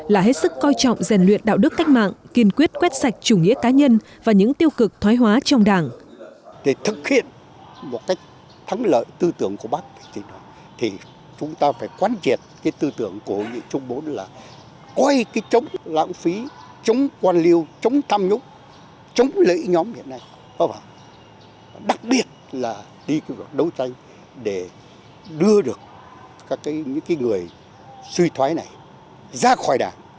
là hết sức coi trọng rèn luyện đạo đức cách mạng kiên quyết quét sạch chủ nghĩa cá nhân và những tiêu cực thoái hóa trong đảng